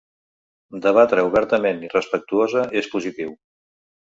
Debatre obertament i respectuosa és positiu.